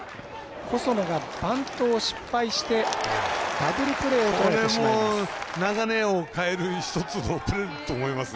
細野がバントを失敗してダブルプレーをとられてしまいます。